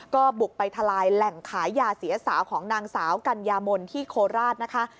ก็บุกไปทลายแหล่งขายยาเสียสาวของนางสาวกัญญามนที่โคราชนะคะ